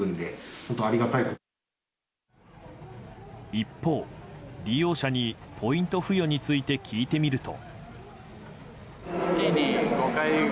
一方、利用者にポイント付与について聞いてみると。